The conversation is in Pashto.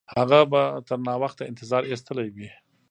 هغه به تر ناوخته انتظار ایستلی وي.